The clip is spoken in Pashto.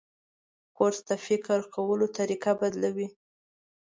کورس د فکر کولو طریقه بدلوي.